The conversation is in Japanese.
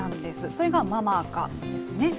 それがママ垢ですね。